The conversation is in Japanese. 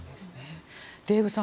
デーブさん